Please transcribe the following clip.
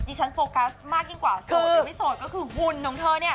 ฉันโฟกัสมากยิ่งกว่าโสดหรือไม่โสดก็คือหุ่นของเธอเนี่ย